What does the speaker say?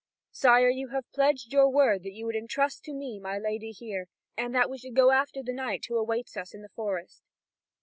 Sire, you have pledged your word that you would entrust to me my lady here, and that we should go after the knight who awaits us in the forest."